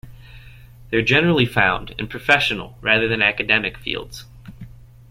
They are generally found in professional, rather than academic, fields.